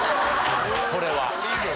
これは。